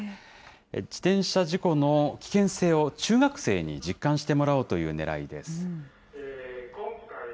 自転車事故の危険性を中学生に実感してもらおうというねらいです。